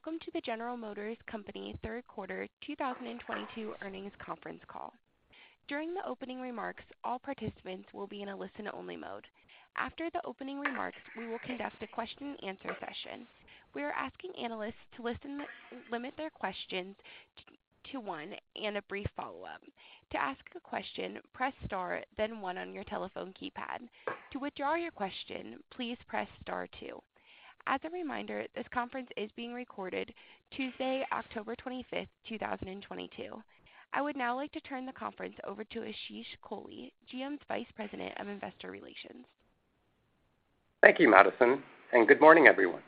Welcome to the General Motors Company third quarter 2022 earnings conference call. During the opening remarks, all participants will be in a listen-only mode. After the opening remarks, we will conduct a question and answer session. We are asking analysts to limit their questions to one and a brief follow-up. To ask a question, press star then one on your telephone keypad. To withdraw your question, please press star two. As a reminder, this conference is being recorded Tuesday, October 25th, 2022. I would now like to turn the conference over to Ashish Kohli, GM's Vice President of Investor Relations. Thank you, Madison, and good morning, everyone.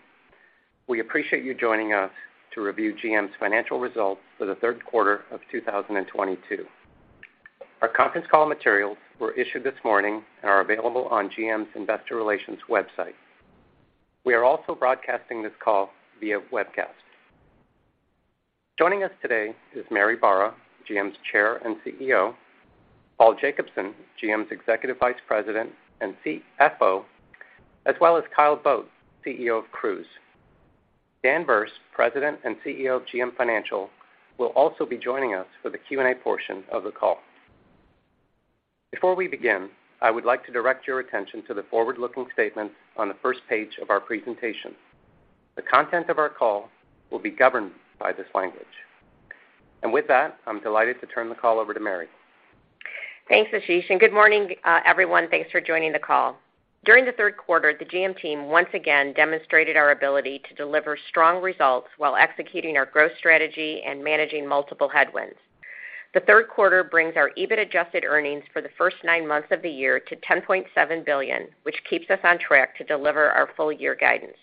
We appreciate you joining us to review GM's financial results for the third quarter of 2022. Our conference call materials were issued this morning and are available on GM's investor relations website. We are also broadcasting this call via webcast. Joining us today is Mary Barra, GM's Chair and CEO, Paul Jacobson, GM's Executive Vice President and CFO, as well as Kyle Vogt, CEO of Cruise. Dan Berce, President and CEO of GM Financial, will also be joining us for the Q&A portion of the call. Before we begin, I would like to direct your attention to the forward-looking statements on the first page of our presentation. The content of our call will be governed by this language. With that, I'm delighted to turn the call over to Mary. Thanks, Ashish, and good morning, everyone. Thanks for joining the call. During the third quarter, the GM team once again demonstrated our ability to deliver strong results while executing our growth strategy and managing multiple headwinds. The third quarter brings our EBIT adjusted earnings for the first nine months of the year to $10.7 billion, which keeps us on track to deliver our full year guidance.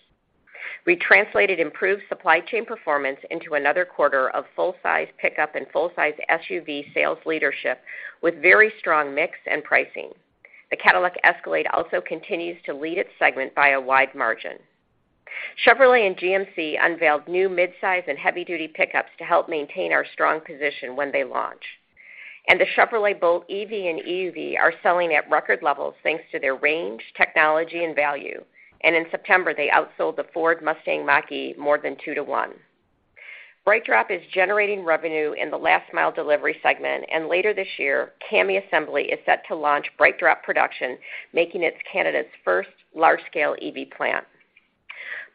We translated improved supply chain performance into another quarter of full-size pickup and full-size SUV sales leadership with very strong mix and pricing. The Cadillac Escalade also continues to lead its segment by a wide margin. Chevrolet and GMC unveiled new mid-size and heavy-duty pickups to help maintain our strong position when they launch. The Chevrolet Bolt EV and EUV are selling at record levels, thanks to their range, technology, and value. In September, they outsold the Ford Mustang Mach-E more than two to one. BrightDrop is generating revenue in the last mile delivery segment, and later this year, CAMI Assembly is set to launch BrightDrop production, making it Canada's first large-scale EV plant.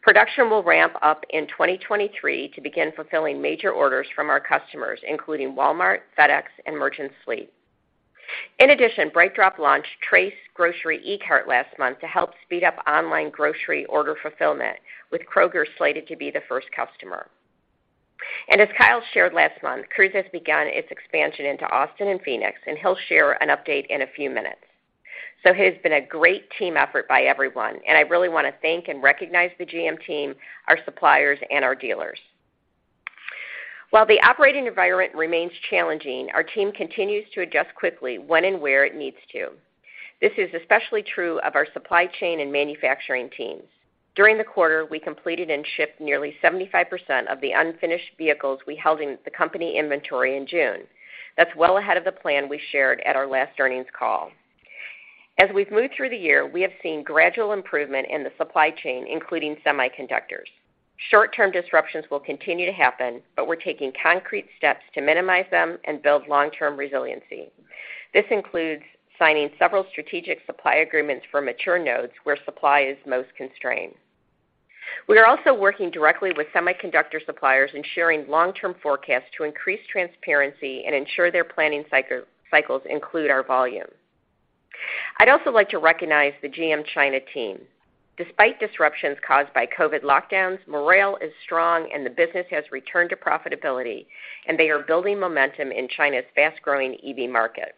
Production will ramp up in 2023 to begin fulfilling major orders from our customers, including Walmart, FedEx, and Merchants Fleet. In addition, BrightDrop launched Trace Grocery eCart last month to help speed up online grocery order fulfillment, with Kroger slated to be the first customer. As Kyle shared last month, Cruise has begun its expansion into Austin and Phoenix, and he'll share an update in a few minutes. It has been a great team effort by everyone, and I really want to thank and recognize the GM team, our suppliers, and our dealers. While the operating environment remains challenging, our team continues to adjust quickly when and where it needs to. This is especially true of our supply chain and manufacturing teams. During the quarter, we completed and shipped nearly 75% of the unfinished vehicles we held in the company inventory in June. That's well ahead of the plan we shared at our last earnings call. As we've moved through the year, we have seen gradual improvement in the supply chain, including semiconductors. Short-term disruptions will continue to happen, but we're taking concrete steps to minimize them and build long-term resiliency. This includes signing several strategic supply agreements for mature nodes where supply is most constrained. We are also working directly with semiconductor suppliers ensuring long-term forecasts to increase transparency and ensure their planning cycles include our volume. I'd also like to recognize the GM China team. Despite disruptions caused by COVID lockdowns, morale is strong and the business has returned to profitability, and they are building momentum in China's fast-growing EV market.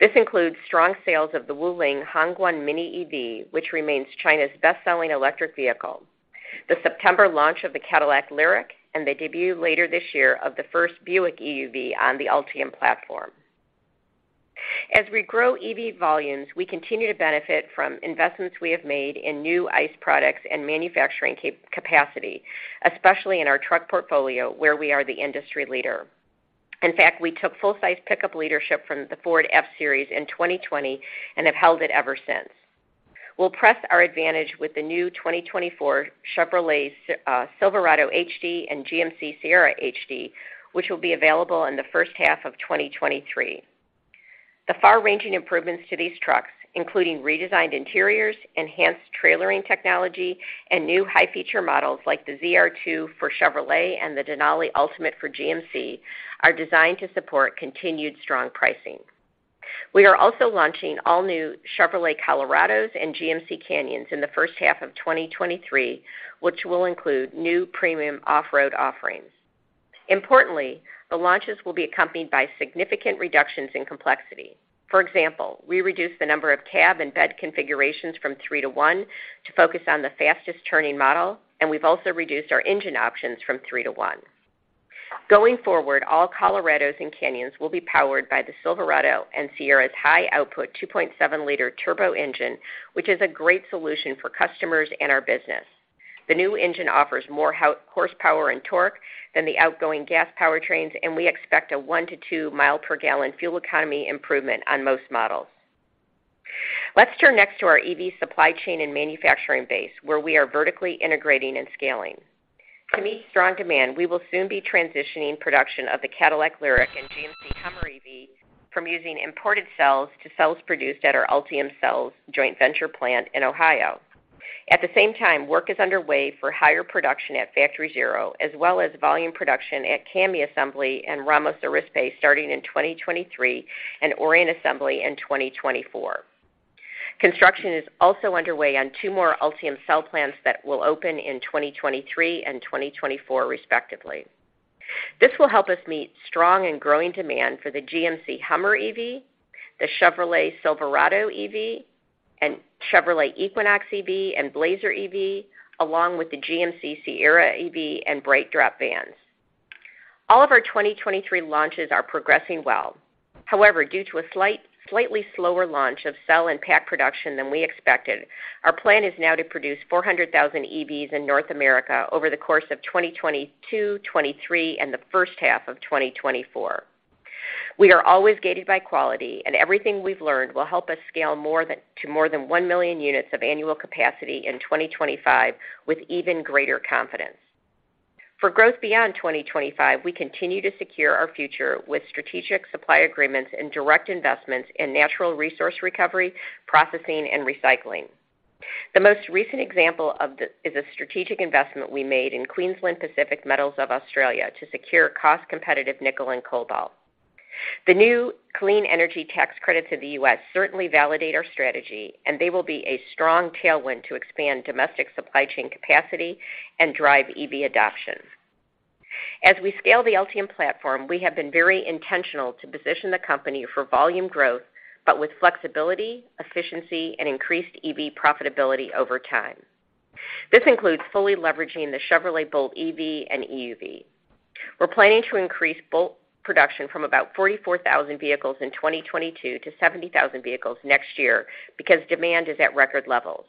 This includes strong sales of the Wuling Hongguang MINI EV, which remains China's best-selling electric vehicle, the September launch of the Cadillac LYRIQ, and the debut later this year of the first Buick EUV on the Ultium platform. As we grow EV volumes, we continue to benefit from investments we have made in new ICE products and manufacturing capacity, especially in our truck portfolio, where we are the industry leader. In fact, we took full size pickup leadership from the Ford F-Series in 2020 and have held it ever since. We'll press our advantage with the new 2024 Chevrolet Silverado HD and GMC Sierra HD, which will be available in the first half of 2023. The far-ranging improvements to these trucks, including redesigned interiors, enhanced trailering technology, and new high feature models like the ZR2 for Chevrolet and the Denali Ultimate for GMC, are designed to support continued strong pricing. We are also launching all-new Chevrolet Colorados and GMC Canyons in the first half of 2023, which will include new premium off-road offerings. Importantly, the launches will be accompanied by significant reductions in complexity. For example, we reduced the number of cab and bed configurations from three to one to focus on the fastest turning model, and we've also reduced our engine options from three to one. Going forward, all Colorados and Canyons will be powered by the Silverado and Sierra's high-output 2.7-liter turbo engine, which is a great solution for customers and our business. The new engine offers more horsepower and torque than the outgoing gas powertrains, and we expect a 1-2 mi per gallon fuel economy improvement on most models. Let's turn next to our EV supply chain and manufacturing base, where we are vertically integrating and scaling. To meet strong demand, we will soon be transitioning production of the Cadillac LYRIQ and GMC Hummer EV from using imported cells to cells produced at our Ultium Cells joint venture plant in Ohio. At the same time, work is underway for higher production at Factory Zero, as well as volume production at CAMI Assembly and Ramos Arizpe starting in 2023, and Orion Assembly in 2024. Construction is also underway on two more Ultium Cell plants that will open in 2023 and 2024 respectively. This will help us meet strong and growing demand for the GMC Hummer EV, the Chevrolet Silverado EV, and Chevrolet Equinox EV, and Blazer EV, along with the GMC Sierra EV and BrightDrop vans. All of our 2023 launches are progressing well. However, due to a slightly slower launch of cell and pack production than we expected, our plan is now to produce 400,000 EVs in North America over the course of 2022, 2023, and the first half of 2024. We are always gated by quality, and everything we've learned will help us scale more than 1 million units of annual capacity in 2025 with even greater confidence. For growth beyond 2025, we continue to secure our future with strategic supply agreements and direct investments in natural resource recovery, processing, and recycling. The most recent example is a strategic investment we made in Queensland Pacific Metals of Australia to secure cost-competitive nickel and cobalt. The new clean energy tax credits of the U.S. certainly validate our strategy, and they will be a strong tailwind to expand domestic supply chain capacity and drive EV adoption. As we scale the Ultium platform, we have been very intentional to position the company for volume growth, but with flexibility, efficiency, and increased EV profitability over time. This includes fully leveraging the Chevrolet Bolt EV and EUV. We're planning to increase Bolt production from about 44,000 vehicles in 2022 to 70,000 vehicles next year because demand is at record levels.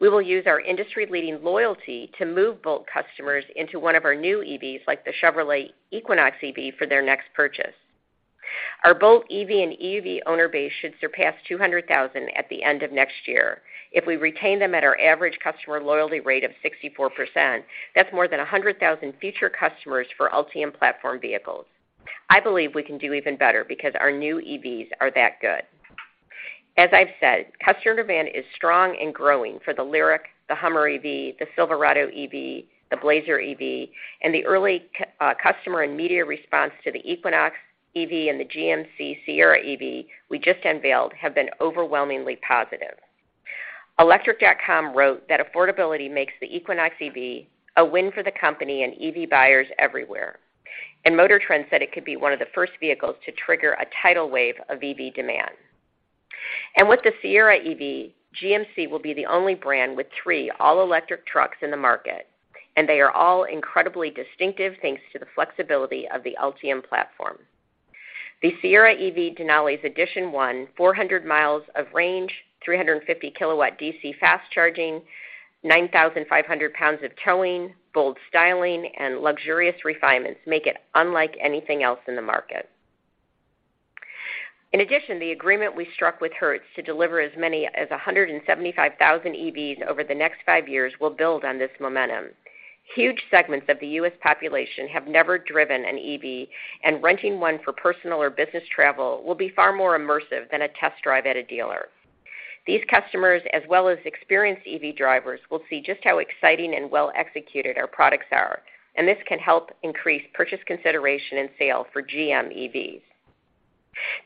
We will use our industry-leading loyalty to move Bolt customers into one of our new EVs, like the Chevrolet Equinox EV, for their next purchase. Our Bolt EV and EUV owner base should surpass 200,000 at the end of next year. If we retain them at our average customer loyalty rate of 64%, that's more than 100,000 future customers for Ultium platform vehicles. I believe we can do even better because our new EVs are that good. As I've said, customer demand is strong and growing for the LYRIQ, the Hummer EV, the Silverado EV, the Blazer EV, and the early customer and media response to the Equinox EV and the GMC Sierra EV we just unveiled have been overwhelmingly positive. Electrek wrote that affordability makes the Equinox EV a win for the company and EV buyers everywhere. MotorTrend said it could be one of the first vehicles to trigger a tidal wave of EV demand. With the Sierra EV, GMC will be the only brand with three all-electric trucks in the market, and they are all incredibly distinctive thanks to the flexibility of the Ultium platform. The Sierra EV Denali's Edition One, 400 mi of range, 350-kW DC fast charging, 9,500 lbs of towing, bold styling, and luxurious refinements make it unlike anything else in the market. In addition, the agreement we struck with Hertz to deliver as many as 175,000 EVs over the next five years will build on this momentum. Huge segments of the U.S. population have never driven an EV, and renting one for personal or business travel will be far more immersive than a test drive at a dealer. These customers, as well as experienced EV drivers, will see just how exciting and well-executed our products are, and this can help increase purchase consideration and sale for GM EVs.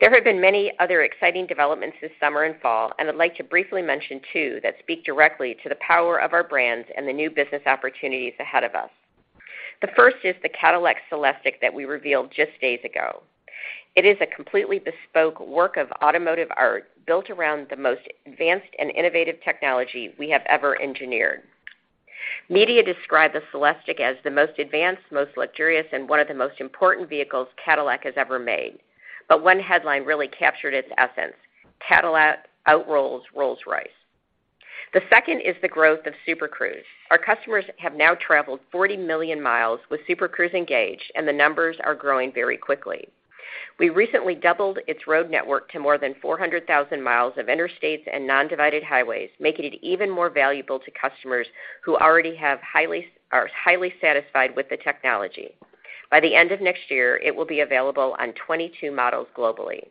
There have been many other exciting developments this summer and fall, and I'd like to briefly mention two that speak directly to the power of our brands and the new business opportunities ahead of us. The first is the Cadillac CELESTIQ that we revealed just days ago. It is a completely bespoke work of automotive art built around the most advanced and innovative technology we have ever engineered. Media describe the CELESTIQ as the most advanced, most luxurious, and one of the most important vehicles Cadillac has ever made, but one headline really captured its essence: Cadillac Outrolls Rolls-Royce. The second is the growth of Super Cruise. Our customers have now traveled 40 million mi with Super Cruise engaged, and the numbers are growing very quickly. We recently doubled its road network to more than 400,000 mi of interstates and non-divided highways, making it even more valuable to customers who already are highly satisfied with the technology. By the end of next year, it will be available on 22 models globally.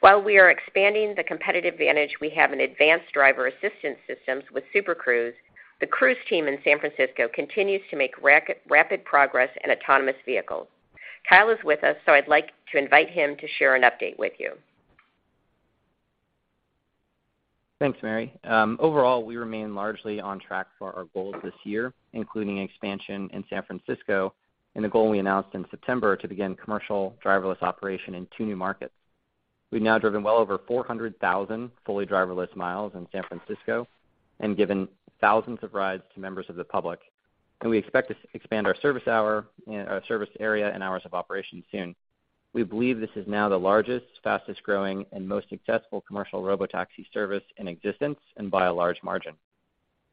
While we are expanding the competitive advantage we have in advanced driver assistance systems with Super Cruise, the Cruise team in San Francisco continues to make rapid progress in autonomous vehicles. Kyle is with us, so I'd like to invite him to share an update with you. Thanks, Mary. Overall, we remain largely on track for our goals this year, including expansion in San Francisco and the goal we announced in September to begin commercial driverless operation in two new markets. We've now driven well over 400,000 fully driverless miles in San Francisco and given thousands of rides to members of the public, and we expect to expand our service area and hours of operation soon. We believe this is now the largest, fastest-growing, and most successful commercial robotaxi service in existence, and by a large margin.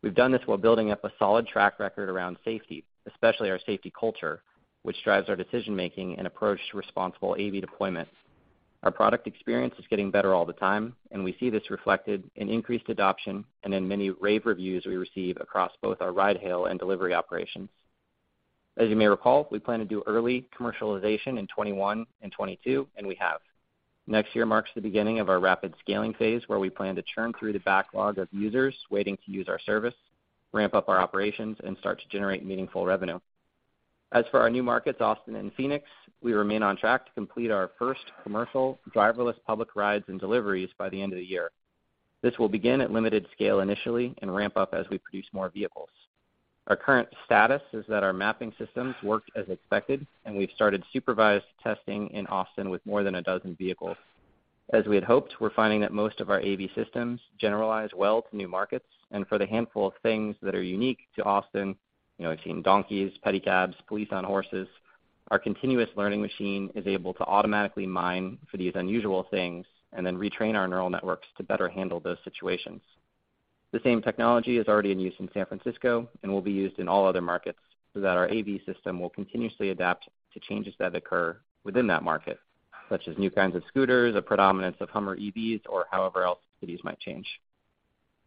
We've done this while building up a solid track record around safety, especially our safety culture, which drives our decision-making and approach to responsible AV deployments. Our product experience is getting better all the time, and we see this reflected in increased adoption and in many rave reviews we receive across both our ride-hail and delivery operations. As you may recall, we plan to do early commercialization in 2021 and 2022, and we have. Next year marks the beginning of our rapid scaling phase, where we plan to churn through the backlog of users waiting to use our service, ramp up our operations, and start to generate meaningful revenue. As for our new markets, Austin and Phoenix, we remain on track to complete our first commercial driverless public rides and deliveries by the end of the year. This will begin at limited scale initially and ramp up as we produce more vehicles. Our current status is that our mapping systems worked as expected, and we've started supervised testing in Austin with more than a dozen vehicles. As we had hoped, we're finding that most of our AV systems generalize well to new markets, and for the handful of things that are unique to Austin, you know, we've seen donkeys, pedicabs, police on horses. Our continuous learning machine is able to automatically mine for these unusual things and then retrain our neural networks to better handle those situations. The same technology is already in use in San Francisco and will be used in all other markets so that our AV system will continuously adapt to changes that occur within that market, such as new kinds of scooters, a predominance of Hummer EVs, or however else cities might change.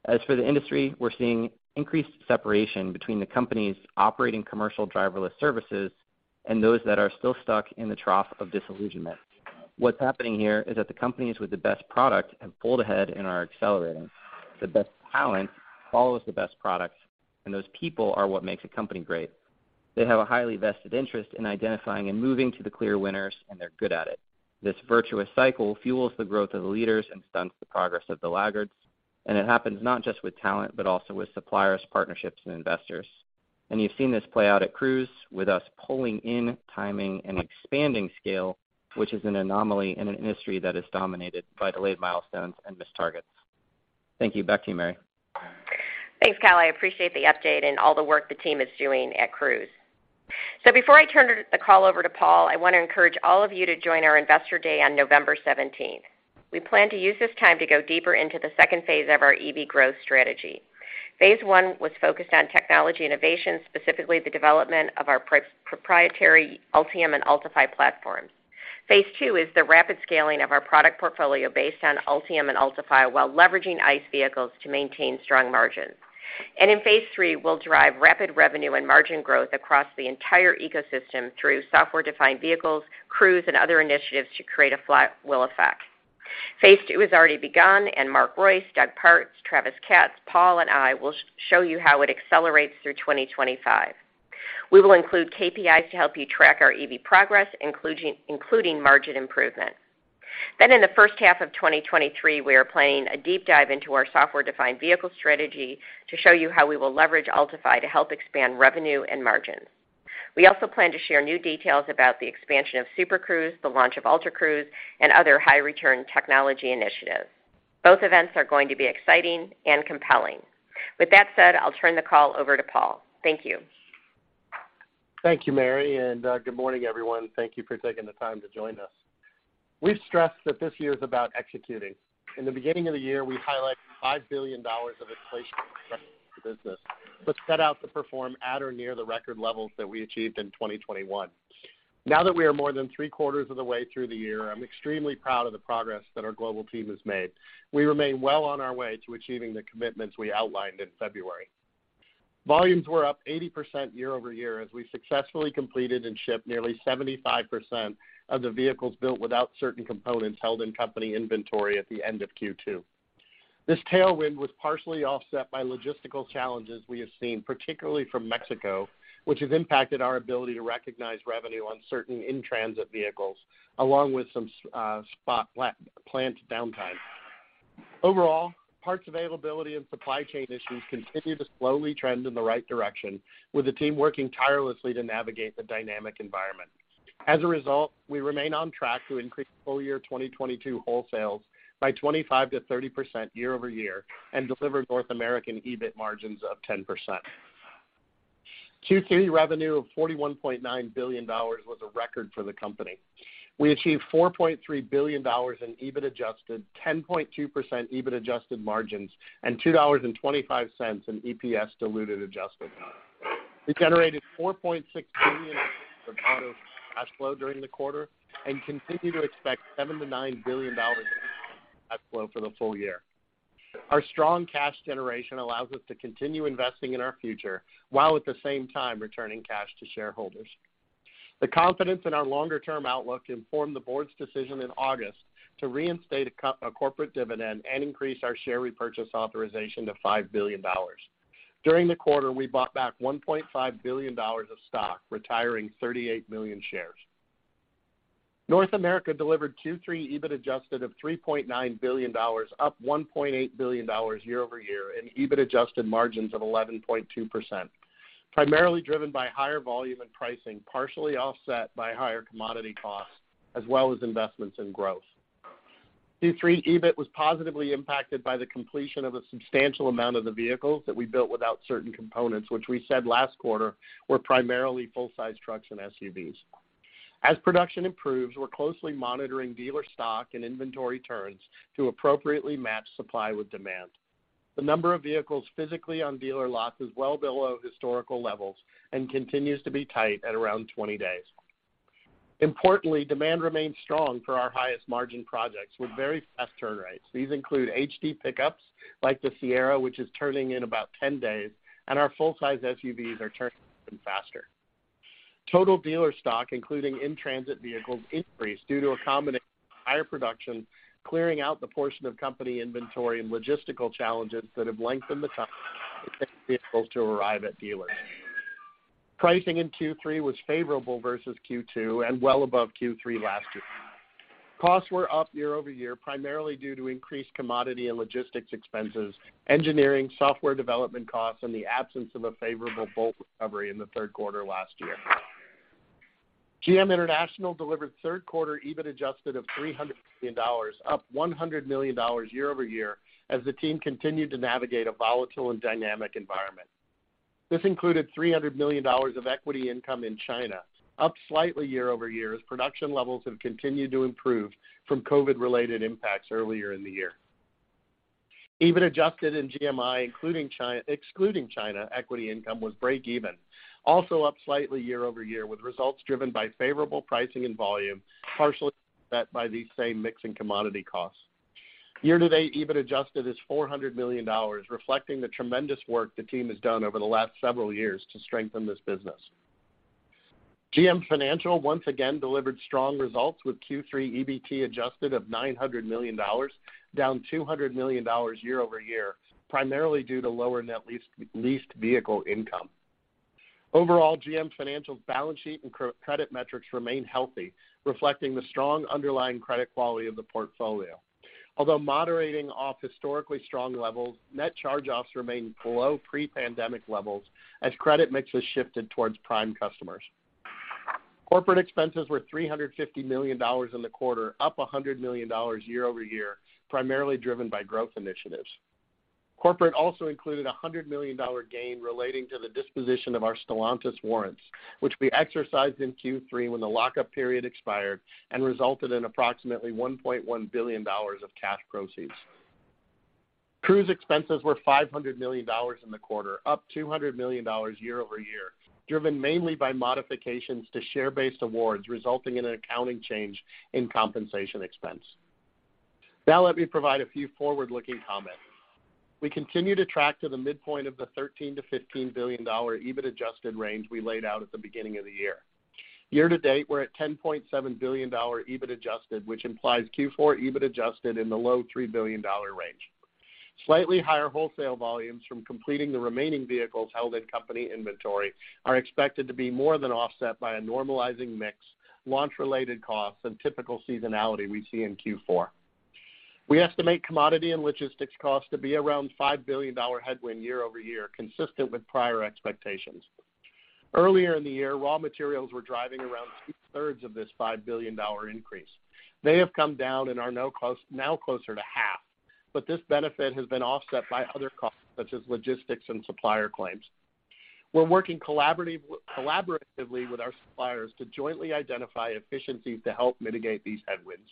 As for the industry, we're seeing increased separation between the companies operating commercial driverless services and those that are still stuck in the trough of disillusionment. What's happening here is that the companies with the best product have pulled ahead and are accelerating. The best talent follows the best products, and those people are what makes a company great. They have a highly vested interest in identifying and moving to the clear winners, and they're good at it. This virtuous cycle fuels the growth of the leaders and stunts the progress of the laggards, and it happens not just with talent, but also with suppliers, partnerships, and investors. You've seen this play out at Cruise with us pulling in timing and expanding scale, which is an anomaly in an industry that is dominated by delayed milestones and missed targets. Thank you. Back to you, Mary. Thanks, Kyle. I appreciate the update and all the work the team is doing at Cruise. Before I turn the call over to Paul, I wanna encourage all of you to join our Investor Day on November 17th. We plan to use this time to go deeper into the second phase of our EV growth strategy. phase I was focused on technology innovation, specifically the development of our proprietary Ultium and Ultifi platforms. phase II is the rapid scaling of our product portfolio based on Ultium and Ultifi, while leveraging ICE vehicles to maintain strong margins. In phase III, we'll drive rapid revenue and margin growth across the entire ecosystem through software-defined vehicles, Cruise, and other initiatives to create a fly wheel effect. phase II has already begun, and Mark Reuss, Doug Parks, Travis Katz, Paul, and I will show you how it accelerates through 2025. We will include KPIs to help you track our EV progress, including margin improvement. In the first half of 2023, we are planning a deep dive into our software-defined vehicle strategy to show you how we will leverage Ultifi to help expand revenue and margins. We also plan to share new details about the expansion of Super Cruise, the launch of Ultra Cruise, and other high-return technology initiatives. Both events are going to be exciting and compelling. With that said, I'll turn the call over to Paul. Thank you. Thank you, Mary, and good morning, everyone. Thank you for taking the time to join us. We've stressed that this year is about executing. In the beginning of the year, we highlighted $5 billion of inflation business, but set out to perform at or near the record levels that we achieved in 2021. Now that we are more than three-quarters of the way through the year, I'm extremely proud of the progress that our global team has made. We remain well on our way to achieving the commitments we outlined in February. Volumes were up 80% year-over-year as we successfully completed and shipped nearly 75% of the vehicles built without certain components held in company inventory at the end of Q2. This tailwind was partially offset by logistical challenges we have seen, particularly from Mexico, which has impacted our ability to recognize revenue on certain in-transit vehicles, along with some spot plant downtime. Overall, parts availability and supply chain issues continue to slowly trend in the right direction, with the team working tirelessly to navigate the dynamic environment. As a result, we remain on track to increase full year 2022 wholesales by 25%-30% year-over-year and deliver North American EBIT margins of 10%. Q3 revenue of $41.9 billion was a record for the company. We achieved $4.3 billion in EBIT adjusted, 10.2% EBIT adjusted margins, and $2.25 in EPS diluted adjusted. We generated $4.6 billion of auto cash flow during the quarter and continue to expect $7-$9 billion cash flow for the full year. Our strong cash generation allows us to continue investing in our future, while at the same time returning cash to shareholders. The confidence in our longer-term outlook informed the board's decision in August to reinstate a corporate dividend and increase our share repurchase authorization to $5 billion. During the quarter, we bought back $1.5 billion of stock, retiring 38 million shares. North America delivered Q3 EBIT adjusted of $3.9 billion, up $1.8 billion year-over-year, and EBIT adjusted margins of 11.2%, primarily driven by higher volume and pricing, partially offset by higher commodity costs, as well as investments in growth. Q3 EBIT was positively impacted by the completion of a substantial amount of the vehicles that we built without certain components, which we said last quarter were primarily full-size trucks and SUVs. As production improves, we're closely monitoring dealer stock and inventory turns to appropriately match supply with demand. The number of vehicles physically on dealer lots is well below historical levels and continues to be tight at around 20 days. Importantly, demand remains strong for our highest margin projects with very fast turn rates. These include HD pickups, like the Sierra, which is turning in about 10 days, and our full-size SUVs are turning even faster. Total dealer stock, including in-transit vehicles, increased due to a combination of higher production, clearing out the portion of company inventory, and logistical challenges that have lengthened the time it takes vehicles to arrive at dealers. Pricing in Q3 was favorable versus Q2 and well above Q3 last year. Costs were up year-over-year, primarily due to increased commodity and logistics expenses, engineering, software development costs, and the absence of a favorable Bolt recovery in the third quarter last year. GM International delivered third quarter EBIT adjusted of $300 million, up $100 million year-over-year as the team continued to navigate a volatile and dynamic environment. This included $300 million of equity income in China, up slightly year-over-year as production levels have continued to improve from COVID-related impacts earlier in the year. EBIT adjusted in GMI, including China, excluding China equity income, was break even, also up slightly year-over-year, with results driven by favorable pricing and volume, partially offset by these same mix and commodity costs. Year-to-date, EBIT adjusted is $400 million, reflecting the tremendous work the team has done over the last several years to strengthen this business. GM Financial once again delivered strong results with Q3 EBT adjusted of $900 million, down $200 million year-over-year, primarily due to lower net leased vehicle income. Overall, GM Financial's balance sheet and credit metrics remain healthy, reflecting the strong underlying credit quality of the portfolio. Although moderating off historically strong levels, net charge-offs remain below pre-pandemic levels as credit mix has shifted towards prime customers. Corporate expenses were $350 million in the quarter, up $100 million year-over-year, primarily driven by growth initiatives. Corporate also included $100 million gain relating to the disposition of our Stellantis warrants, which we exercised in Q3 when the lockup period expired and resulted in approximately $1.1 billion of cash proceeds. Cruise expenses were $500 million in the quarter, up $200 million year-over-year, driven mainly by modifications to share-based awards, resulting in an accounting change in compensation expense. Now let me provide a few forward-looking comments. We continue to track to the midpoint of the $13 billion-$15 billion EBIT-adjusted range we laid out at the beginning of the year. Year-to-date, we're at $10.7 billion EBIT adjusted, which implies Q4 EBIT adjusted in the low $3 billion range. Slightly higher wholesale volumes from completing the remaining vehicles held in company inventory are expected to be more than offset by a normalizing mix, launch-related costs, and typical seasonality we see in Q4. We estimate commodity and logistics costs to be around $5 billion headwind year-over-year, consistent with prior expectations. Earlier in the year, raw materials were driving around two-thirds of this $5 billion increase. They have come down and are now closer to half, but this benefit has been offset by other costs, such as logistics and supplier claims. We're working collaboratively with our suppliers to jointly identify efficiencies to help mitigate these headwinds.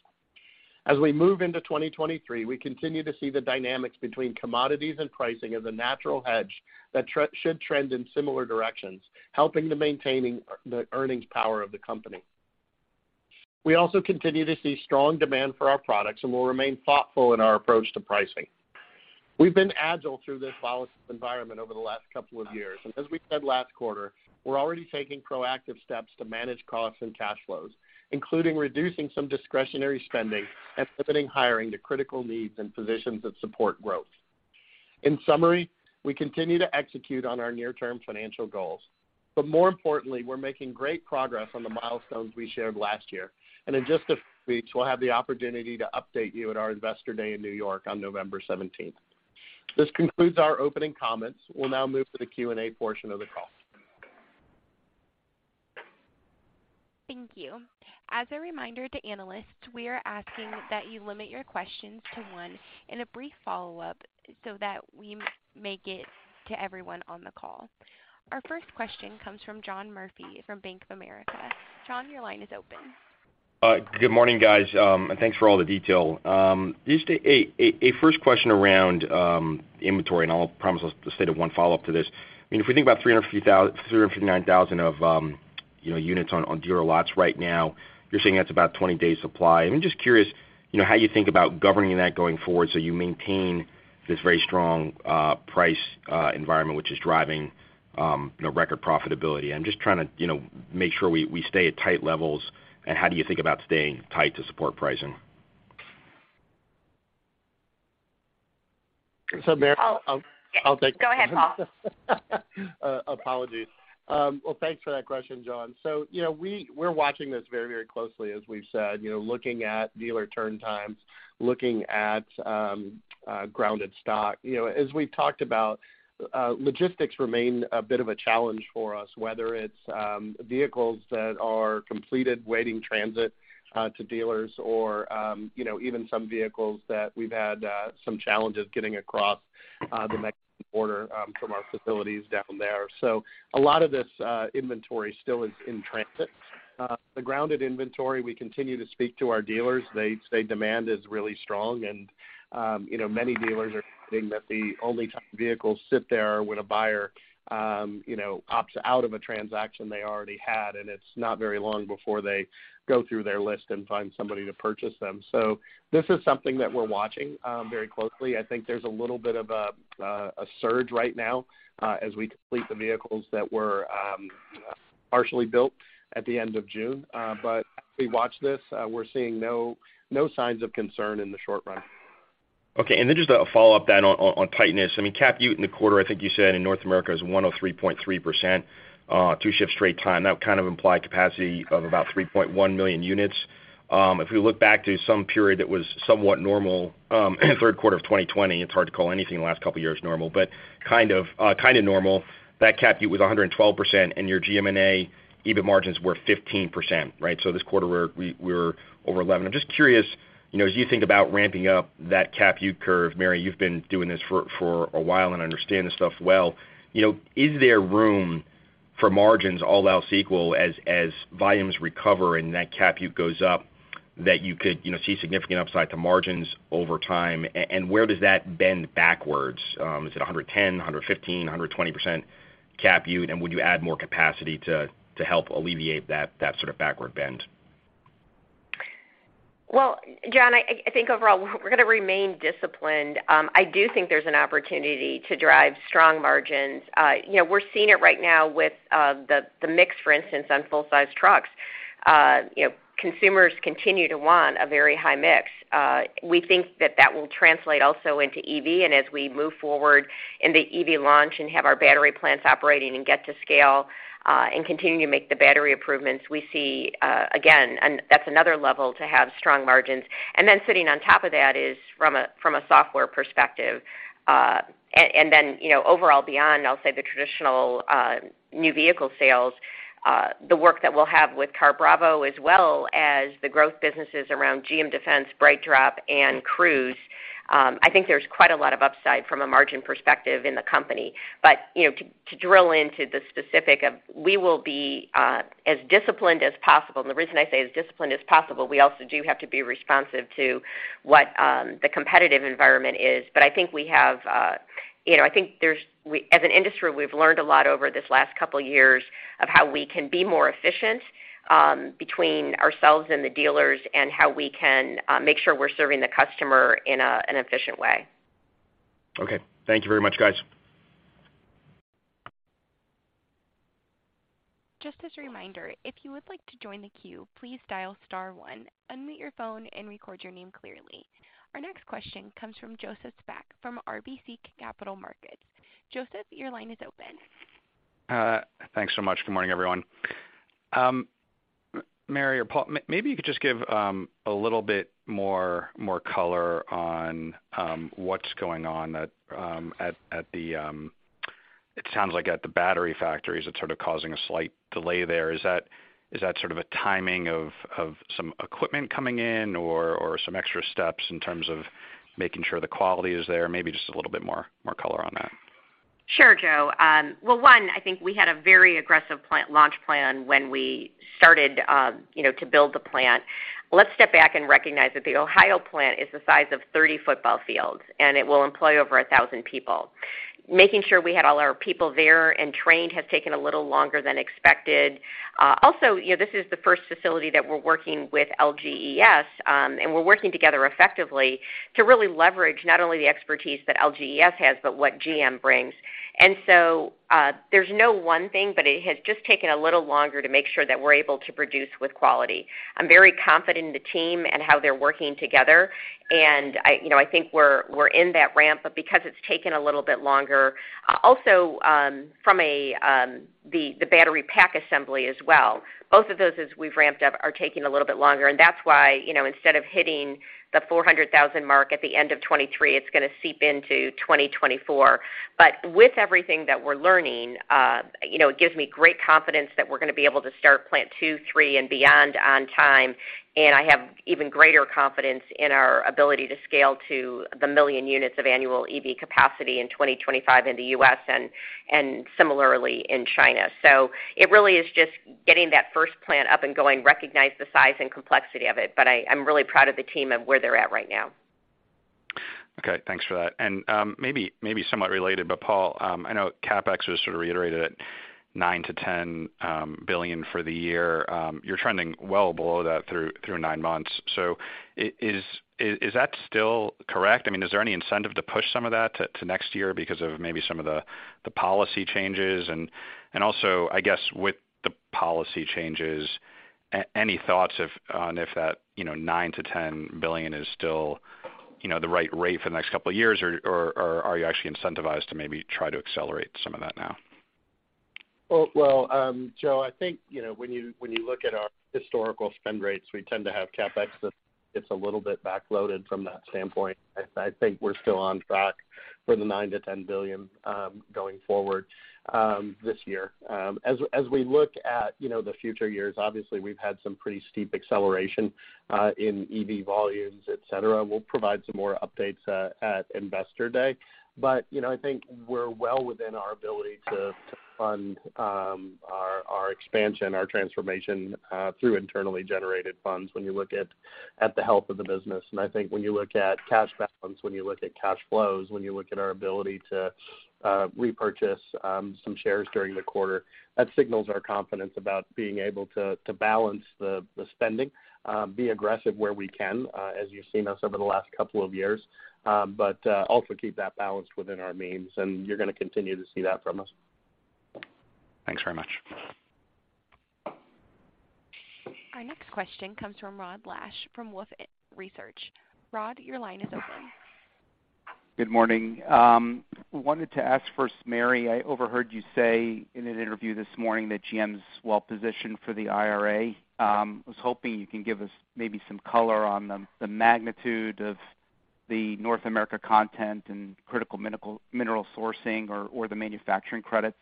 As we move into 2023, we continue to see the dynamics between commodities and pricing as a natural hedge that should trend in similar directions, helping to maintaining the earnings power of the company. We also continue to see strong demand for our products and will remain thoughtful in our approach to pricing. We've been agile through this volatile environment over the last couple of years, and as we said last quarter, we're already taking proactive steps to manage costs and cash flows, including reducing some discretionary spending and limiting hiring to critical needs and positions that support growth. In summary, we continue to execute on our near-term financial goals, but more importantly, we're making great progress on the milestones we shared last year. In just a few weeks, we'll have the opportunity to update you at our Investor Day in New York on November seventeenth. This concludes our opening comments. We'll now move to the Q&A portion of the call. Thank you. As a reminder to analysts, we are asking that you limit your questions to one and a brief follow-up so that we make it to everyone on the call. Our first question comes from John Murphy from Bank of America. John, your line is open. Good morning, guys, thanks for all the detail. Just a first question around inventory, and I promise I'll stick to one follow-up to this. I mean, if we think about 359,000 units on dealer lots right now, you're saying that's about 20 days supply. I'm just curious, you know, how you think about governing that going forward so you maintain this very strong price environment, which is driving, you know, record profitability. I'm just trying to, you know, make sure we stay at tight levels and how do you think about staying tight to support pricing? Mary. I'll take. Go ahead, Paul. Apologies. Well, thanks for that question, John. You know, we're watching this very, very closely, as we've said, you know, looking at dealer turn times, looking at grounded stock. You know, as we've talked about, logistics remain a bit of a challenge for us, whether it's vehicles that are completed waiting transit to dealers or, you know, even some vehicles that we've had some challenges getting across the Mex-Order from our facilities down there. A lot of this inventory still is in transit. The grounded inventory, we continue to speak to our dealers. They say demand is really strong and, you know, many dealers are saying that the only time vehicles sit there are when a buyer, you know, opts out of a transaction they already had, and it's not very long before they go through their list and find somebody to purchase them. This is something that we're watching very closely. I think there's a little bit of a surge right now, as we complete the vehicles that were partially built at the end of June. As we watch this, we're seeing no signs of concern in the short run. Okay. Just a follow-up then on tightness. I mean, capacity utilization in the quarter, I think you said in North America is 103.3%, two shifts straight time. That would kind of imply capacity of about 3.1 million units. If we look back to some period that was somewhat normal, third quarter of 2020, it's hard to call anything in the last couple years normal, but kind of normal, that capacity utilization was 112%, and your GMNA EBIT margins were 15%, right? This quarter we're over 11%. I'm just curious, you know, as you think about ramping up that capacity utilization curve, Mary, you've been doing this for a while and understand this stuff well. You know, is there room for margins all else equal as volumes recover and that capacity utilization goes up, that you could, you know, see significant upside to margins over time? Where does that bend backwards? Is it 110%, 115%, 120% capacity utilization? Would you add more capacity to help alleviate that sort of backward bend? Well, John, I think overall we're gonna remain disciplined. I do think there's an opportunity to drive strong margins. You know, we're seeing it right now with the mix, for instance, on full-sized trucks. You know, consumers continue to want a very high mix. We think that that will translate also into EV. As we move forward in the EV launch and have our battery plants operating and get to scale, and continue to make the battery improvements, we see again, that's another level to have strong margins. Then sitting on top of that is from a software perspective. And then, you know, overall beyond, I'll say the traditional, new vehicle sales, the work that we'll have with CarBravo, as well as the growth businesses around GM Defense, BrightDrop, and Cruise, I think there's quite a lot of upside from a margin perspective in the company. To drill into the specifics of, we will be as disciplined as possible. The reason I say as disciplined as possible, we also do have to be responsive to what the competitive environment is. I think we have, you know, as an industry, we've learned a lot over this last couple years of how we can be more efficient between ourselves and the dealers and how we can make sure we're serving the customer in an efficient way. Okay. Thank you very much, guys. Just as a reminder, if you would like to join the queue, please dial star one, unmute your phone, and record your name clearly. Our next question comes from Joseph Spak from RBC Capital Markets. Joseph, your line is open. Thanks so much. Good morning, everyone. Mary or Paul, maybe you could just give a little bit more color on what's going on at the battery factories. It's sort of causing a slight delay there. Is that sort of a timing of some equipment coming in or some extra steps in terms of making sure the quality is there? Maybe just a little bit more color on that. Sure, Joe. Well, one, I think we had a very aggressive plant launch plan when we started, you know, to build the plant. Let's step back and recognize that the Ohio plant is the size of 30 football fields, and it will employ over 1,000 people. Making sure we had all our people there and trained has taken a little longer than expected. Also, you know, this is the first facility that we're working with LGES, and we're working together effectively to really leverage not only the expertise that LGES has, but what GM brings. There's no one thing, but it has just taken a little longer to make sure that we're able to produce with quality. I'm very confident in the team and how they're working together. I think we're in that ramp, but because it's taken a little bit longer. Also, from the battery pack assembly as well, both of those, as we've ramped up, are taking a little bit longer. That's why, instead of hitting the 400,000 mark at the end of 2023, it's gonna seep into 2024. With everything that we're learning, it gives me great confidence that we're gonna be able to start plant two, three, and beyond on time. I have even greater confidence in our ability to scale to 1 million units of annual EV capacity in 2025 in the U.S. and similarly in China. It really is just getting that first plant up and going, recognize the size and complexity of it, but I'm really proud of the team of where they're at right now. Okay. Thanks for that. Maybe somewhat related, but Paul, I know CapEx was sort of reiterated at $9 billion-$10 billion for the year. You're trending well below that through nine months. Is that still correct? I mean, is there any incentive to push some of that to next year because of maybe some of the policy changes? Also I guess with the policy changes, any thoughts on if that, you know, $9 billion-$10 billion is still, you know, the right rate for the next couple of years or are you actually incentivized to maybe try to accelerate some of that now? Well, Joe, I think, you know, when you look at our historical spend rates, we tend to have CapEx that gets a little bit backloaded from that standpoint. I think we're still on track. For the $9 billion-$10 billion going forward this year. As we look at, you know, the future years, obviously we've had some pretty steep acceleration in EV volumes, et cetera. We'll provide some more updates at Investor Day. You know, I think we're well within our ability to fund our expansion, our transformation through internally generated funds when you look at the health of the business. I think when you look at cash balance, when you look at cash flows, when you look at our ability to repurchase some shares during the quarter, that signals our confidence about being able to balance the spending, be aggressive where we can, as you've seen us over the last couple of years, but also keep that balanced within our means. You're going to continue to see that from us. Thanks very much. Our next question comes from Rod Lache from Wolfe Research. Rod, your line is open. Good morning. Wanted to ask first, Mary. I overheard you say in an interview this morning that GM's well-positioned for the IRA. I was hoping you can give us maybe some color on the magnitude of the North America content and critical mineral sourcing or the manufacturing credits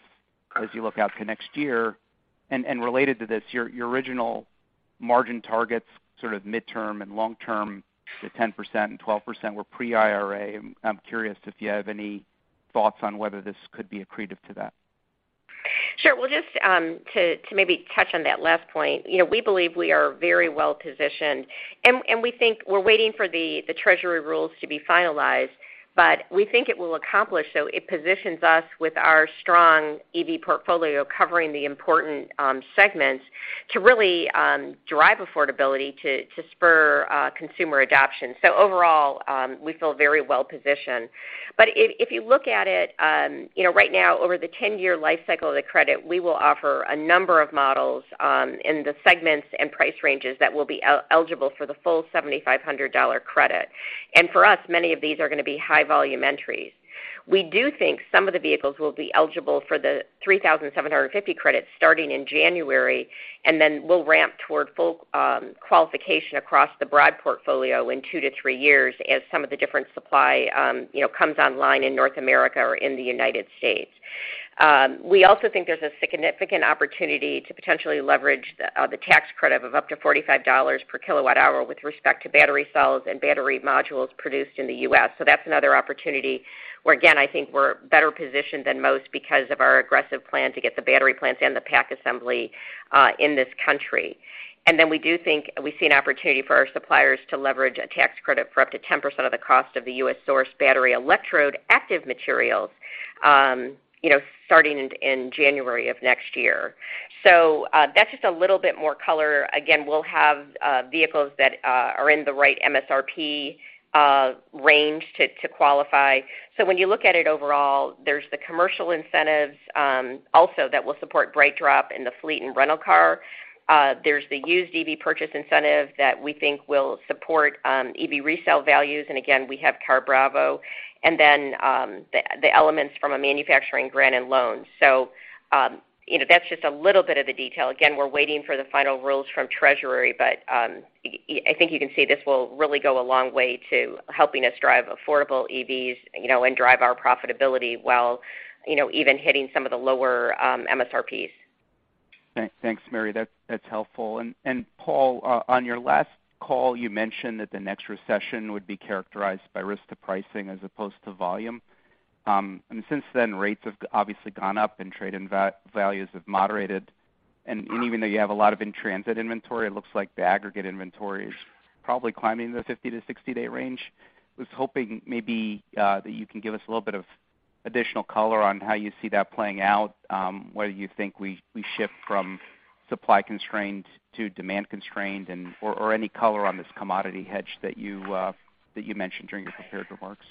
as you look out to next year. Related to this, your original margin targets, sort of midterm and long term, the 10% and 12% were pre-IRA. I'm curious if you have any thoughts on whether this could be accretive to that. Sure. Well, just to maybe touch on that last point, you know, we believe we are very well positioned. We think we're waiting for the Treasury rules to be finalized, but we think it will accomplish. It positions us with our strong EV portfolio covering the important segments to really drive affordability to spur consumer adoption. Overall, we feel very well positioned. If you look at it, you know, right now, over the ten-year life cycle of the credit, we will offer a number of models in the segments and price ranges that will be eligible for the full $7,500 credit. For us, many of these are going to be high volume entries. We do think some of the vehicles will be eligible for the $3,750 credit starting in January, and then we'll ramp toward full qualification across the broad portfolio in two to three years as some of the different supply, you know, comes online in North America or in the United States. We also think there's a significant opportunity to potentially leverage the tax credit of up to $45 per kWh with respect to battery cells and battery modules produced in the U.S. That's another opportunity where again, I think we're better positioned than most because of our aggressive plan to get the battery plants and the pack assembly in this country. We do think we see an opportunity for our suppliers to leverage a tax credit for up to 10% of the cost of the U.S. source battery electrode active materials, you know, starting in January of next year. That's just a little bit more color. Again, we'll have vehicles that are in the right MSRP range to qualify. When you look at it overall, there's the commercial incentives also that will support BrightDrop in the fleet and rental car. There's the used EV purchase incentive that we think will support EV resale values. And again, we have CarBravo. The elements from a manufacturing grant and loan. You know, that's just a little bit of the detail. Again, we're waiting for the final rules from Treasury, but I think you can see this will really go a long way to helping us drive affordable EVs, you know, and drive our profitability while, you know, even hitting some of the lower MSRPs. Thanks, Mary. That's helpful. Paul, on your last call, you mentioned that the next recession would be characterized by risk to pricing as opposed to volume. Since then, rates have obviously gone up and trade-in values have moderated. Even though you have a lot of in-transit inventory, it looks like the aggregate inventory is probably climbing in the 50-60-day range. I was hoping maybe that you can give us a little bit of additional color on how you see that playing out, whether you think we shift from supply constrained to demand constrained and/or any color on this commodity hedge that you mentioned during your prepared remarks.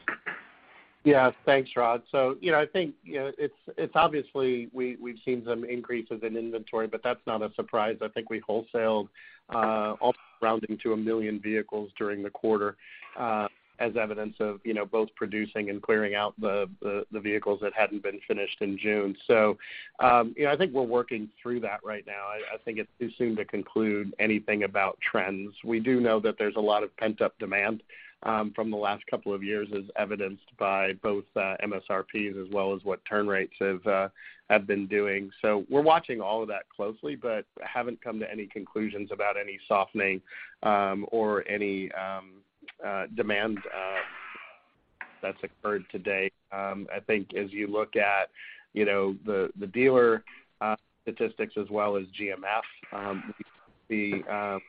Yeah. Thanks, Rod. I think it's obviously we've seen some increases in inventory, but that's not a surprise. I think we wholesaled all rounding to 1 million vehicles during the quarter as evidence of both producing and clearing out the vehicles that hadn't been finished in June. I think we're working through that right now. I think it's too soon to conclude anything about trends. We do know that there's a lot of pent-up demand from the last couple of years as evidenced by both MSRPs as well as what turn rates have been doing. We're watching all of that closely, but haven't come to any conclusions about any softening or any demand that's occurred today. I think as you look at, you know, the dealer statistics as well as GMF, the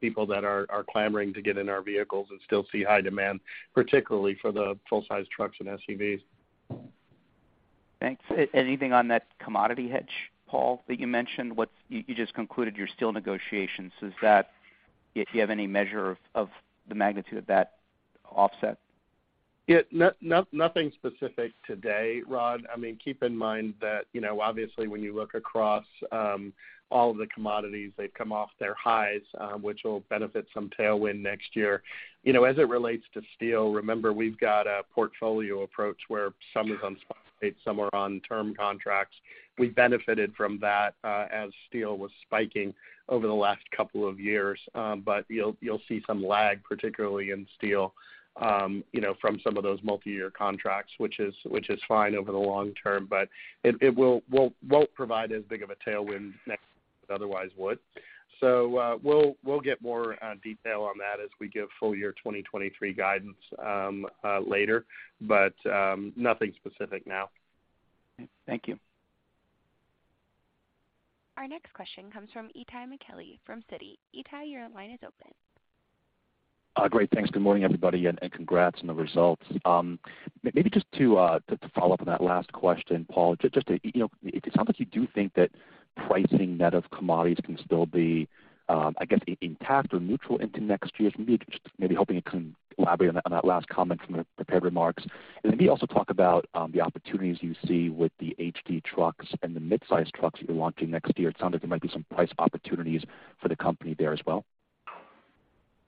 people that are clamoring to get in our vehicles and still see high demand, particularly for the full-size trucks and SUVs. Thanks. Anything on that commodity hedge, Paul, that you mentioned? You just concluded your steel negotiations. Is that if you have any measure of the magnitude of that offset? Yeah. Nothing specific today, Rod. I mean, keep in mind that, you know, obviously when you look across all of the commodities, they've come off their highs, which will benefit some tailwind next year. You know, as it relates to steel, remember we've got a portfolio approach where some of them spot buys, some are on term contracts. We benefited from that, as steel was spiking over the last couple of years. But you'll see some lag, particularly in steel, you know, from some of those multi-year contracts, which is fine over the long term, but it won't provide as big of a tailwind next year as it otherwise would. We'll get more detail on that as we give full year 2023 guidance later, but nothing specific now. Okay. Thank you. Our next question comes from Itay Michaeli from Citi. Itay, your line is open. Great. Thanks. Good morning, everybody, and congrats on the results. Maybe just to follow up on that last question, Paul. Just to, you know, it sounds like you do think that pricing net of commodities can still be, I guess, intact or neutral into next year. So maybe hoping you can elaborate on that last comment from the prepared remarks. Then maybe also talk about the opportunities you see with the HD trucks and the mid-size trucks you're launching next year. It sounds like there might be some price opportunities for the company there as well.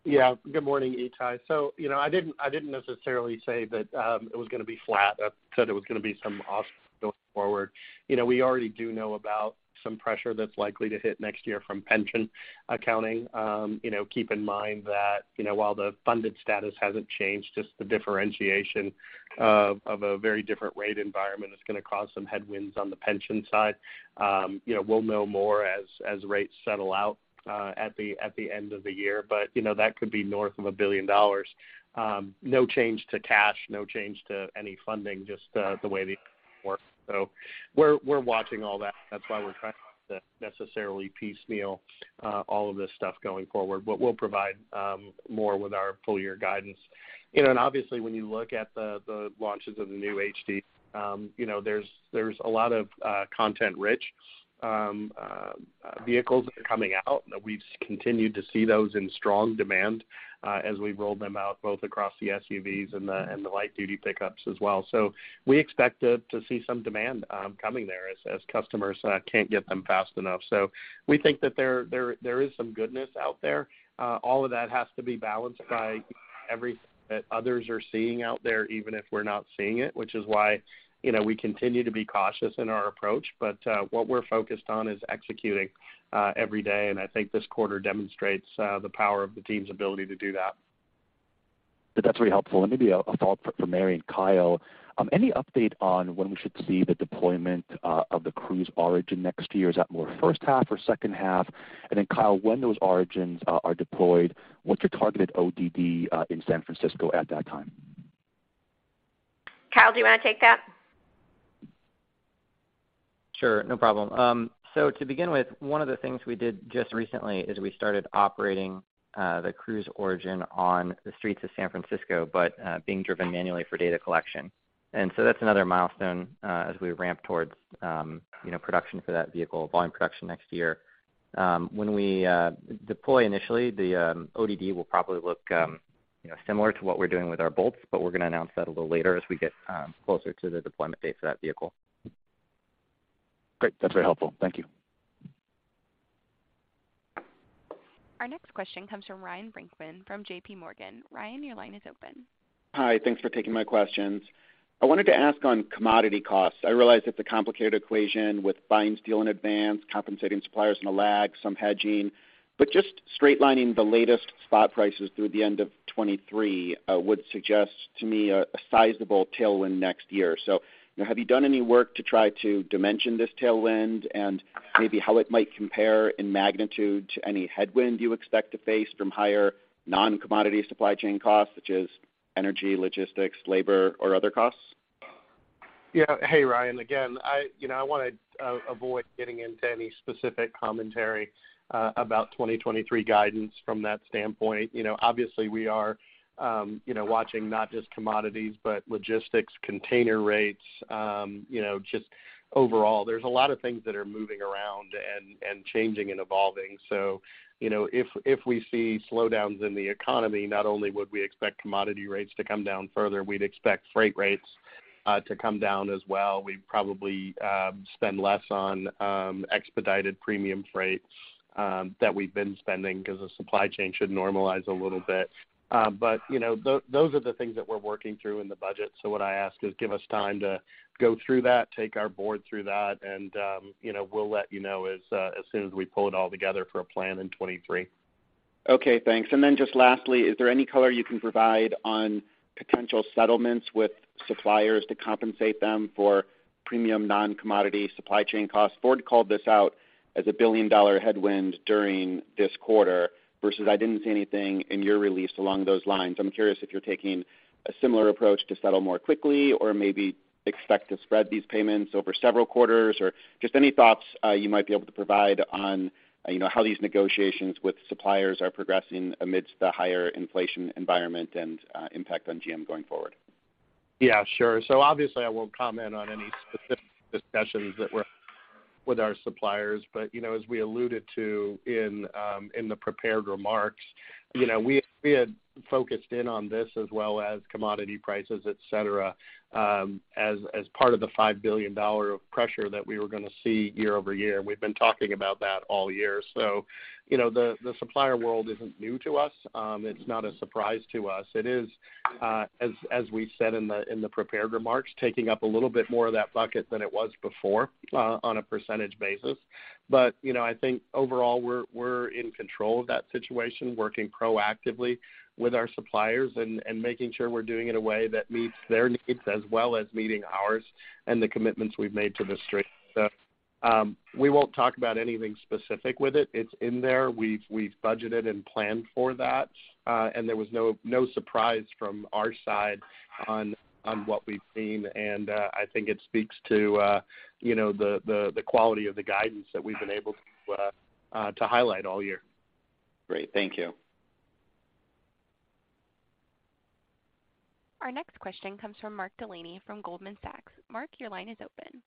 Yeah. Good morning, Itay. You know, I didn't necessarily say that it was gonna be flat. I said it was gonna be some ops going forward. You know, we already do know about some pressure that's likely to hit next year from pension accounting. You know, keep in mind that while the funded status hasn't changed, just the differentiation of a very different rate environment is gonna cause some headwinds on the pension side. You know, we'll know more as rates settle out at the end of the year. You know, that could be north of $1 billion. No change to cash, no change to any funding, just the way these work. We're watching all that. That's why we're trying to necessarily piecemeal all of this stuff going forward. We'll provide more with our full-year guidance. You know, obviously, when you look at the launches of the new HD, you know, there's a lot of content-rich vehicles that are coming out. We've continued to see those in strong demand as we roll them out, both across the SUVs and the light-duty pickups as well. We expect to see some demand coming there as customers can't get them fast enough. We think that there is some goodness out there. All of that has to be balanced by everything that others are seeing out there, even if we're not seeing it, which is why, you know, we continue to be cautious in our approach. What we're focused on is executing every day, and I think this quarter demonstrates the power of the team's ability to do that. That's very helpful. Maybe a thought for Mary and Kyle. Any update on when we should see the deployment of the Cruise Origin next year? Is that more first half or second half? Then, Kyle, when those Origins are deployed, what's your targeted ODD in San Francisco at that time? Kyle, do you want to take that? Sure. No problem. To begin with, one of the things we did just recently is we started operating the Cruise Origin on the streets of San Francisco, but being driven manually for data collection. That's another milestone as we ramp towards you know production for that vehicle, volume production next year. When we deploy initially, the ODD will probably look you know similar to what we're doing with our Bolts, but we're going to announce that a little later as we get closer to the deployment date for that vehicle. Great. That's very helpful. Thank you. Our next question comes from Ryan Brinkman from JPMorgan. Ryan, your line is open. Hi. Thanks for taking my questions. I wanted to ask on commodity costs. I realize it's a complicated equation with buying steel in advance, compensating suppliers in a lag, some hedging, but just straight lining the latest spot prices through the end of 2023 would suggest to me a sizable tailwind next year. You know, have you done any work to try to dimension this tailwind and maybe how it might compare in magnitude to any headwind you expect to face from higher non-commodity supply chain costs such as energy, logistics, labor, or other costs? Yeah. Hey, Ryan. Again, I, you know, I want to avoid getting into any specific commentary about 2023 guidance from that standpoint. You know, obviously we are, you know, watching not just commodities, but logistics, container rates, you know, just overall there's a lot of things that are moving around and changing and evolving. So, you know, if we see slowdowns in the economy, not only would we expect commodity rates to come down further, we'd expect freight rates to come down as well. We'd probably spend less on expedited premium freights that we've been spending because the supply chain should normalize a little bit. But, you know, those are the things that we're working through in the budget. What I ask is give us time to go through that, take our board through that, and, you know, we'll let you know as soon as we pull it all together for a plan in 2023. Okay, thanks. Then just lastly, is there any color you can provide on potential settlements with suppliers to compensate them for premium non-commodity supply chain costs? Ford called this out as a billion-dollar headwind during this quarter, versus I didn't see anything in your release along those lines. I'm curious if you're taking a similar approach to settle more quickly or maybe expect to spread these payments over several quarters. Just any thoughts you might be able to provide on, you know, how these negotiations with suppliers are progressing amidst the higher inflation environment and impact on GM going forward. Yeah, sure. Obviously, I won't comment on any specific discussions that we're with our suppliers. You know, as we alluded to in the prepared remarks, you know, we had focused in on this as well as commodity prices, etc, as part of the $5 billion of pressure that we were going to see year-over-year. We've been talking about that all year. You know, the supplier world isn't new to us. It's not a surprise to us. It is, as we said in the prepared remarks, taking up a little bit more of that bucket than it was before, on a percentage basis. You know, I think overall, we're in control of that situation, working proactively with our suppliers and making sure we're doing it a way that meets their needs as well as meeting ours and the commitments we've made to the street. We won't talk about anything specific with it. It's in there. We've budgeted and planned for that, and there was no surprise from our side on what we've seen. I think it speaks to you know, the quality of the guidance that we've been able to to highlight all year. Great. Thank you. Our next question comes from Mark Delaney from Goldman Sachs. Mark, your line is open.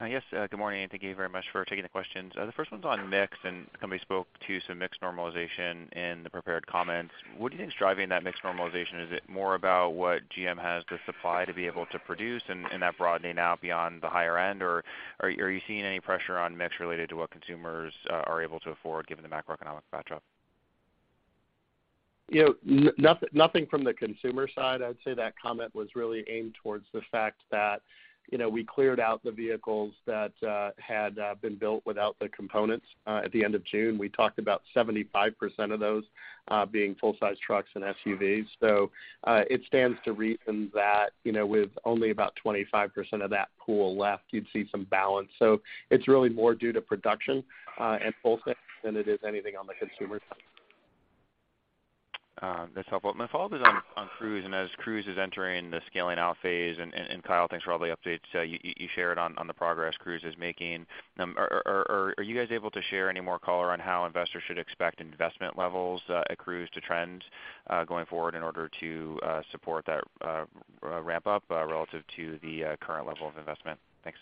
Yes, good morning, and thank you very much for taking the questions. The first one's on mix, and the company spoke to some mix normalization in the prepared comments. What do you think is driving that mix normalization? Is it more about what GM has to supply to be able to produce and that broadening now beyond the higher end, or are you seeing any pressure on mix related to what consumers are able to afford given the macroeconomic backdrop? You know, nothing from the consumer side. I'd say that comment was really aimed towards the fact that, you know, we cleared out the vehicles that had been built without the components at the end of June. We talked about 75% of those being full-sized trucks and SUVs. It stands to reason that, you know, with only about 25% of that pool left, you'd see some balance. It's really more due to production and full things than it is anything on the consumer side. That's helpful. My follow-up is on Cruise, and as Cruise is entering the scaling out phase, Kyle, thanks for all the updates you shared on the progress Cruise is making. Are you guys able to share any more color on how investors should expect investment levels at Cruise to trend going forward in order to support that ramp up relative to the current level of investment? Thanks.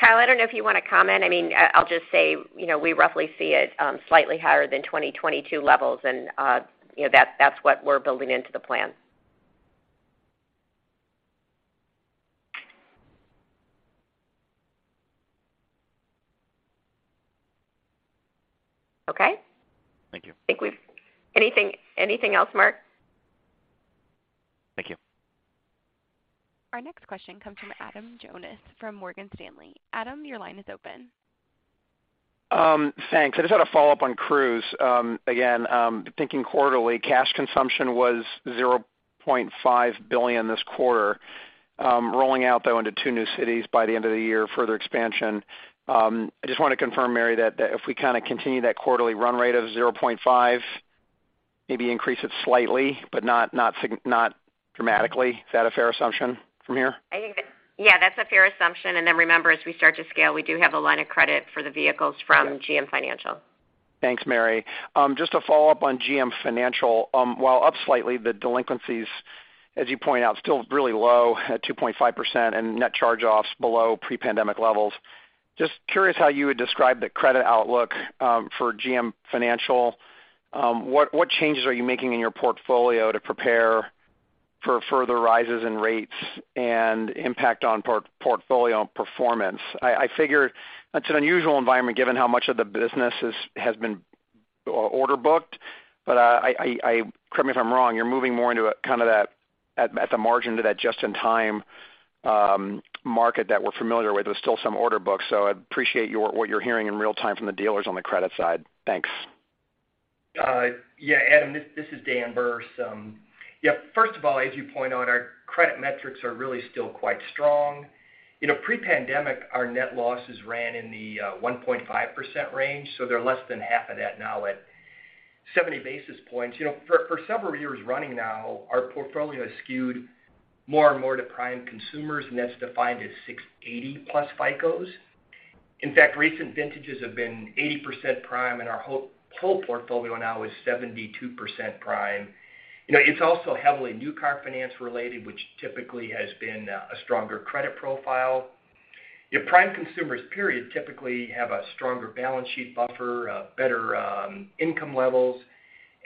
Kyle, I don't know if you want to comment. I mean, I'll just say, you know, we roughly see it slightly higher than 2022 levels and, you know, that's what we're building into the plan. Okay. Thank you. Anything else, Mark? Thank you. Our next question comes from Adam Jonas from Morgan Stanley. Adam, your line is open. Thanks. I just had a follow-up on Cruise. Again, thinking quarterly, cash consumption was $0.5 billion this quarter, rolling out, though, into two new cities by the end of the year, further expansion. I just want to confirm, Mary, that if we kind of continue that quarterly run rate of $0.5 billion, maybe increase it slightly, but not dramatically, is that a fair assumption from here? I think that, yeah, that's a fair assumption. Remember, as we start to scale, we do have a line of credit for the vehicles from GM Financial. Thanks, Mary. Just a follow-up on GM Financial. While up slightly, the delinquencies, as you point out, still really low at 2.5% and net charge-offs below pre-pandemic levels. Just curious how you would describe the credit outlook for GM Financial. What changes are you making in your portfolio to prepare for further rises in rates and impact on portfolio performance? I figure it's an unusual environment given how much of the business has been order booked. Correct me if I'm wrong, you're moving more into a kind of that at the margin to that just-in-time market that we're familiar with. There's still some order books, so I'd appreciate what you're hearing in real time from the dealers on the credit side. Thanks. Yeah, Adam, this is Dan Berce. Yeah, first of all, as you point out, our credit metrics are really still quite strong. You know, pre-pandemic, our net losses ran in the 1.5% range, so they're less than half of that now at 70 basis points. You know, for several years running now, our portfolio has skewed more and more to prime consumers, and that's defined as 680+ FICOs. In fact, recent vintages have been 80% prime, and our whole portfolio now is 72% prime. You know, it's also heavily new car finance related, which typically has been a stronger credit profile. Prime consumers, period, typically have a stronger balance sheet buffer, better income levels,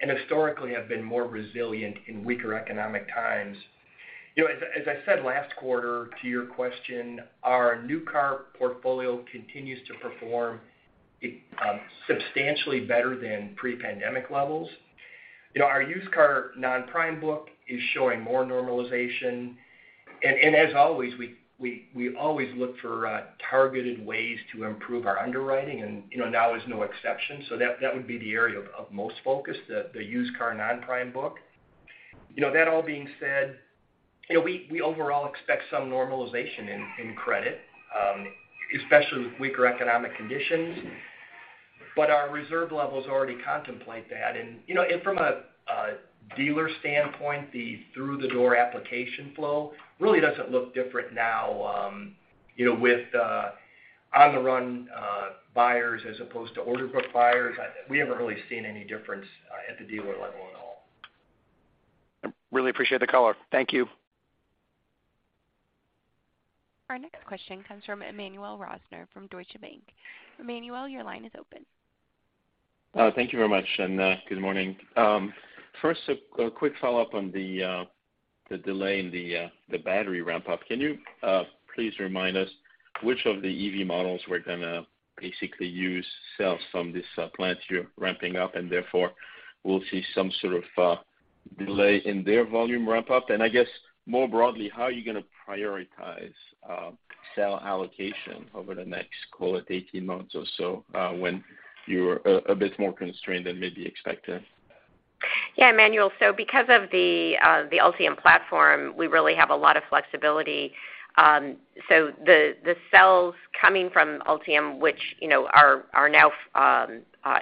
and historically have been more resilient in weaker economic times. You know, as I said last quarter to your question, our new car portfolio continues to perform substantially better than pre-pandemic levels. You know, our used car non-prime book is showing more normalization. As always, we always look for targeted ways to improve our underwriting and, you know, now is no exception. That would be the area of most focus, the used car non-prime book. You know, that all being said, you know, we overall expect some normalization in credit, especially with weaker economic conditions. Our reserve levels already contemplate that. You know, from a dealer standpoint, the through-the-door application flow really doesn't look different now, you know, with on-the-run buyers as opposed to order book buyers. We haven't really seen any difference at the dealer level at all. I really appreciate the color. Thank you. Our next question comes from Emmanuel Rosner from Deutsche Bank. Emmanuel, your line is open. Thank you very much, and good morning. First a quick follow-up on the delay in the battery ramp-up. Can you please remind us which of the EV models we're gonna basically use, sell from this plant you're ramping up, and therefore we'll see some sort of delay in their volume ramp-up? I guess more broadly, how are you gonna prioritize sales allocation over the next, call it 18 months or so, when you're a bit more constrained than maybe expected? Yeah, Emmanuel. Because of the Ultium platform, we really have a lot of flexibility. The cells coming from Ultium, which you know are now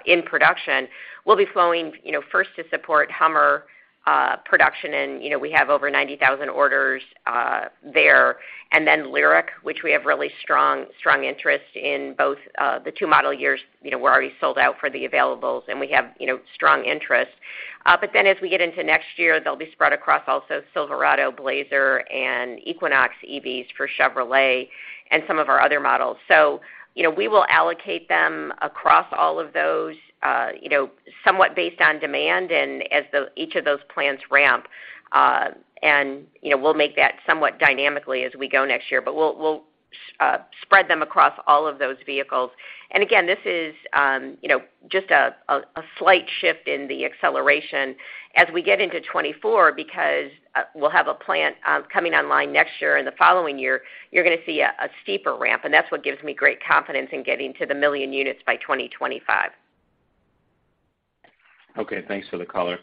in production, will be flowing you know first to support Hummer production. You know, we have over 90,000 orders there. LYRIQ, which we have really strong interest in both the two model years. You know, we're already sold out for the availables, and we have you know strong interest. As we get into next year, they'll be spread across also Silverado, Blazer and Equinox EVs for Chevrolet and some of our other models. You know, we will allocate them across all of those you know somewhat based on demand and as each of those plants ramp. You know, we'll make that somewhat dynamically as we go next year. We'll spread them across all of those vehicles. Again, this is, you know, just a slight shift in the acceleration as we get into 2024 because we'll have a plant coming online next year and the following year, you're gonna see a steeper ramp. That's what gives me great confidence in getting to 1 million units by 2025. Okay, thanks for the color.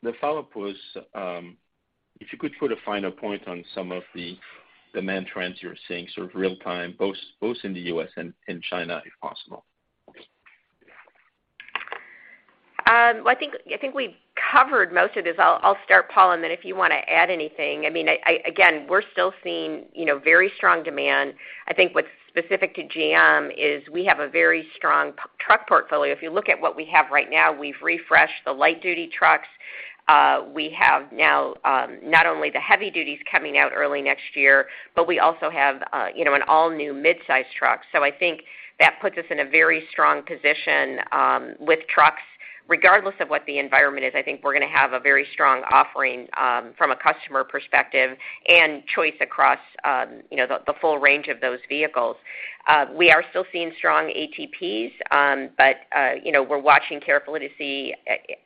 The follow-up was, if you could put a finer point on some of the demand trends you're seeing sort of real time, both in the U.S. and in China, if possible. Well, I think we've covered most of this. I'll start, Paul, and then if you wanna add anything. I mean, again, we're still seeing, you know, very strong demand. I think what's specific to GM is we have a very strong pickup truck portfolio. If you look at what we have right now, we've refreshed the light-duty trucks. We have now not only the heavy-duty coming out early next year, but we also have, you know, an all-new mid-size truck. So I think that puts us in a very strong position with trucks. Regardless of what the environment is, I think we're gonna have a very strong offering from a customer perspective and choice across, you know, the full range of those vehicles. We are still seeing strong ATPs, but you know, we're watching carefully to see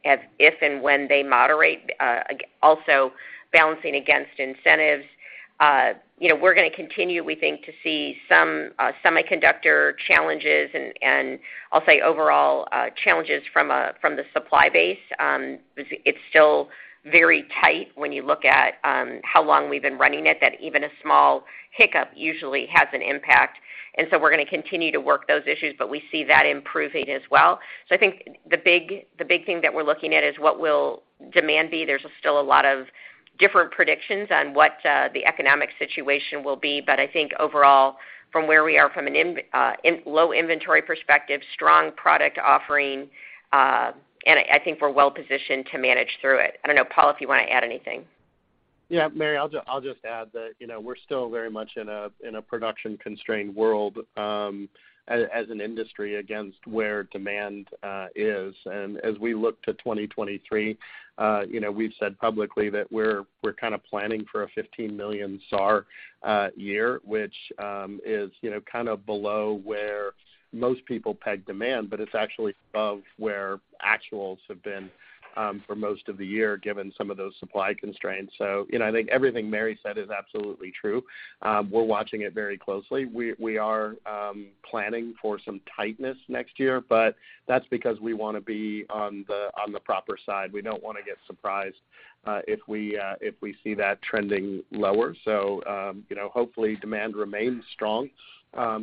if and when they moderate, also balancing against incentives. You know, we're gonna continue, we think, to see some semiconductor challenges and I'll say overall challenges from the supply base. It's still very tight when you look at how long we've been running it, that even a small hiccup usually has an impact. We're gonna continue to work those issues, but we see that improving as well. I think the big thing that we're looking at is what will demand be. There's still a lot of different predictions on what the economic situation will be. I think overall, from where we are, from an inventory perspective, strong product offering, and I think we're well-positioned to manage through it. I don't know, Paul, if you wanna add anything. Yeah. Mary, I'll just add that, you know, we're still very much in a production-constrained world, as an industry against where demand is. As we look to 2023, you know, we've said publicly that we're kind of planning for a 15 million SAAR year, which is, you know, kind of below where most people peg demand, but it's actually above where actuals have been for most of the year, given some of those supply constraints. You know, I think everything Mary said is absolutely true. We're watching it very closely. We are planning for some tightness next year, but that's because we wanna be on the proper side. We don't wanna get surprised if we see that trending lower. You know, hopefully demand remains strong,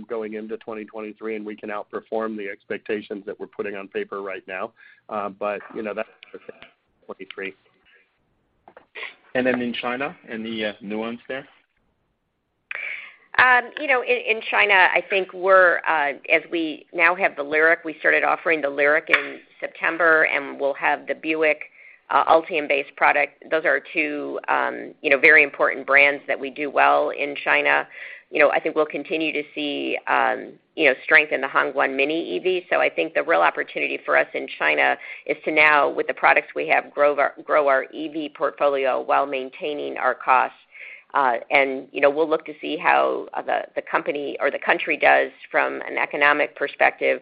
going into 2023, and we can outperform the expectations that we're putting on paper right now. you know, that's 2023. In China, any nuance there? You know, in China, I think we're as we now have the LYRIQ. We started offering the LYRIQ in September, and we'll have the Buick Ultium-based product. Those are two, you know, very important brands that we do well in China. You know, I think we'll continue to see, you know, strength in the Hongguang MINI EV. I think the real opportunity for us in China is to now, with the products we have, grow our EV portfolio while maintaining our costs. You know, we'll look to see how the company or the country does from an economic perspective.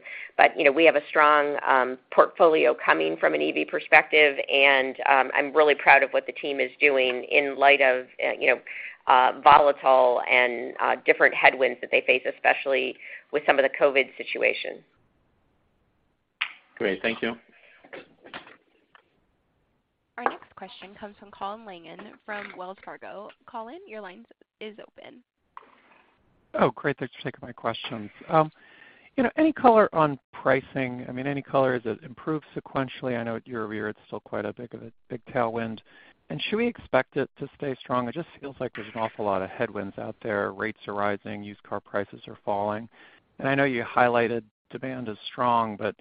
You know, we have a strong portfolio coming from an EV perspective, and I'm really proud of what the team is doing in light of you know, volatile and different headwinds that they face, especially with some of the COVID situations. Great. Thank you. Our next question comes from Colin Langan from Wells Fargo. Colin, your line is open. Oh, great. Thanks for taking my questions. You know, any color on pricing? I mean, any color. Has it improved sequentially? I know at year-over-year it's still quite a bit of a big tailwind. Should we expect it to stay strong? It just feels like there's an awful lot of headwinds out there. Rates are rising. Used car prices are falling. I know you highlighted demand is strong, but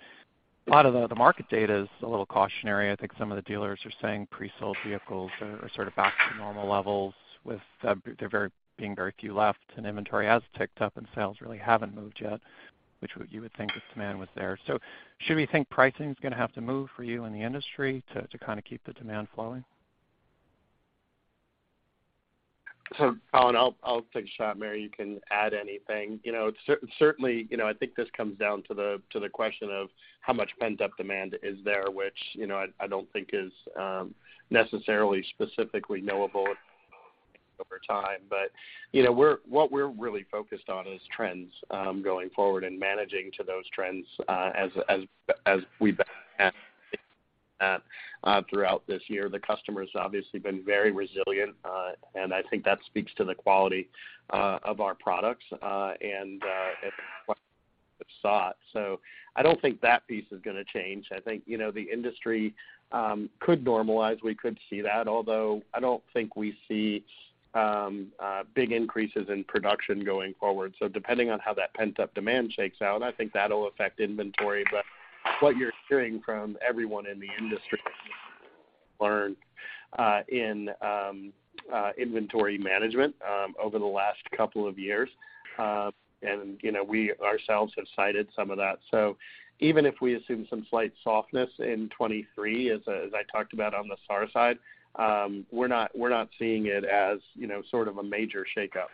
a lot of the market data is a little cautionary. I think some of the dealers are saying pre-sold vehicles are sort of back to normal levels with there being very few left, and inventory has ticked up and sales really haven't moved yet, you would think if demand was there. Should we think pricing's gonna have to move for you in the industry to kind of keep the demand flowing? Colin, I'll take a shot. Mary, you can add anything. Certainly, I think this comes down to the question of how much pent-up demand is there, which I don't think is necessarily specifically knowable over time. We're really focused on trends going forward and managing to those trends as we throughout this year. The customer's obviously been very resilient, and I think that speaks to the quality of our products and sought. I don't think that piece is gonna change. I think the industry could normalize. We could see that, although I don't think we see big increases in production going forward. Depending on how that pent-up demand shakes out, I think that'll affect inventory. What you're hearing from everyone in the industry, lessons learned in inventory management over the last couple of years. You know, we ourselves have cited some of that. Even if we assume some slight softness in 2023, as I talked about on the SAAR side, we're not seeing it as, you know, sort of a major shakeup.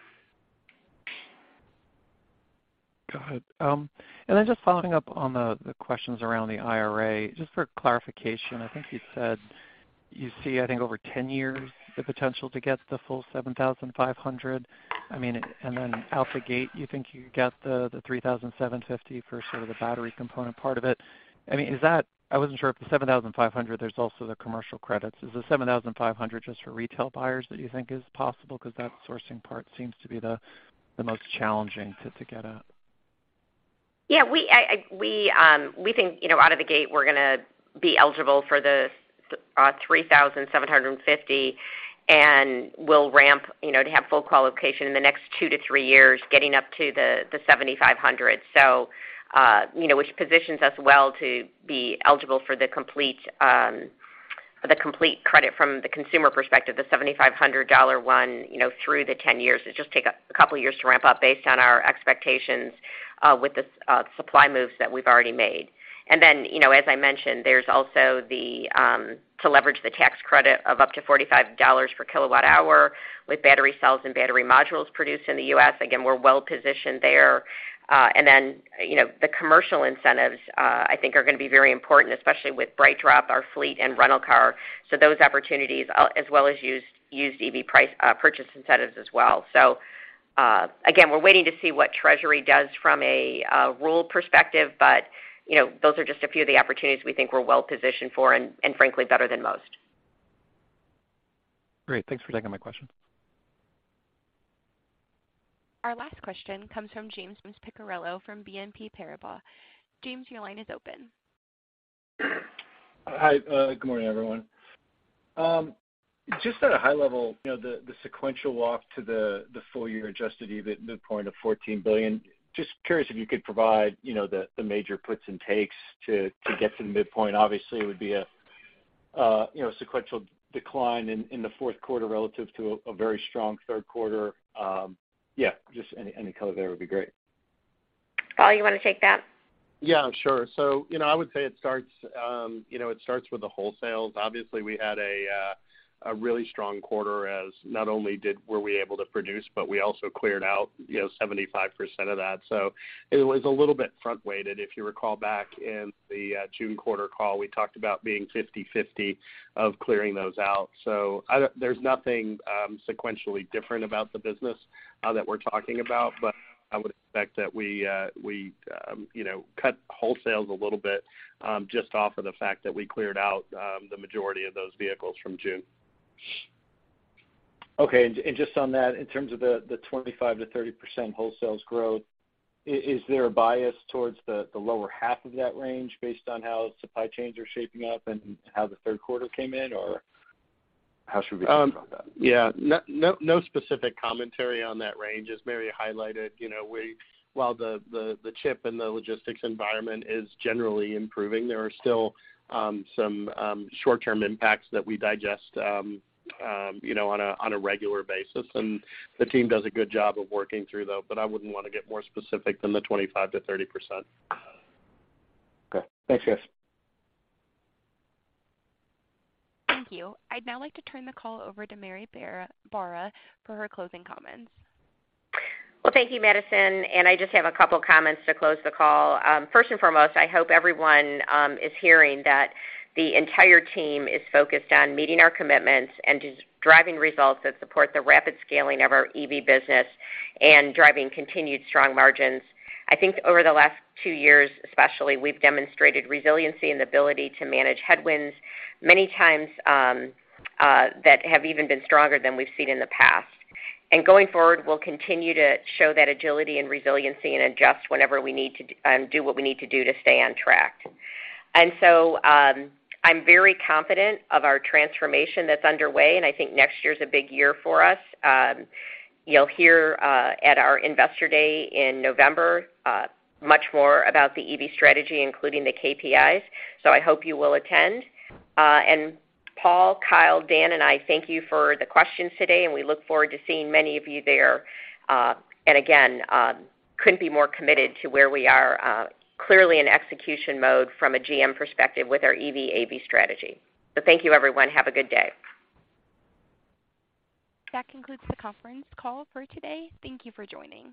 Got it. Just following up on the questions around the IRA, just for clarification, I think you said you see, I think, over 10 years, the potential to get the full $7,500. I mean, out the gate, you think you could get the $3,750 for sort of the battery component part of it. I mean, is that? I wasn't sure if the $7,500, there's also the commercial credits. Is the $7,500 just for retail buyers that you think is possible? 'Cause that sourcing part seems to be the most challenging to get at. Yeah, we think, you know, out of the gate, we're gonna be eligible for the 3,750, and we'll ramp, you know, to have full qualification in the next two to three years, getting up to the 7,500. Which positions us well to be eligible for the complete credit from the consumer perspective, the $7,500 one, you know, through the 10 years. It just take a couple years to ramp up based on our expectations with the supply moves that we've already made. As I mentioned, there's also to leverage the tax credit of up to $45 per kWh with battery cells and battery modules produced in the U.S. Again, we're well-positioned there. you know, the commercial incentives, I think are gonna be very important, especially with BrightDrop, our fleet and rental car. Those opportunities, as well as used EV price purchase incentives as well. Again, we're waiting to see what Treasury does from a rule perspective, but you know, those are just a few of the opportunities we think we're well-positioned for and frankly, better than most. Great. Thanks for taking my question. Our last question comes from James Picariello from BNP Paribas. James, your line is open. Hi. Good morning, everyone. Just at a high level, you know, the sequential walk to the full year adjusted EBIT midpoint of $14 billion, just curious if you could provide, you know, the major puts and takes to get to the midpoint. Obviously, it would be a sequential decline in the fourth quarter relative to a very strong third quarter. Just any color there would be great. Paul, you wanna take that? Yeah, sure. You know, I would say it starts with the wholesales. Obviously, we had a really strong quarter as not only were we able to produce, but we also cleared out, you know, 75% of that. It was a little bit front-weighted. If you recall back in the June quarter call, we talked about being 50/50 of clearing those out. There's nothing sequentially different about the business that we're talking about. But I would expect that we you know cut wholesales a little bit just off of the fact that we cleared out the majority of those vehicles from June. Okay. Just on that, in terms of the 25%-30% wholesales growth, is there a bias towards the lower half of that range based on how supply chains are shaping up and how the third quarter came in, or how should we think about that? Yeah. No specific commentary on that range. As Mary highlighted, you know, while the chip and the logistics environment is generally improving, there are still some short-term impacts that we digest, you know, on a regular basis. The team does a good job of working through, though. I wouldn't wanna get more specific than the 25%-30%. Okay. Thanks, guys. Thank you. I'd now like to turn the call over to Mary Barra for her closing comments. Well, thank you, Madison, and I just have a couple comments to close the call. First and foremost, I hope everyone is hearing that the entire team is focused on meeting our commitments and just driving results that support the rapid scaling of our EV business and driving continued strong margins. I think over the last two years, especially, we've demonstrated resiliency and ability to manage headwinds many times that have even been stronger than we've seen in the past. Going forward, we'll continue to show that agility and resiliency and adjust whenever we need to do what we need to do to stay on track. I'm very confident of our transformation that's underway, and I think next year's a big year for us. You'll hear, at our Investor Day in November, much more about the EV strategy, including the KPIs, so I hope you will attend. Paul, Kyle, Dan, and I thank you for the questions today, and we look forward to seeing many of you there. Again, couldn't be more committed to where we are, clearly in execution mode from a GM perspective with our EV/AV strategy. Thank you, everyone. Have a good day. That concludes the conference call for today. Thank you for joining.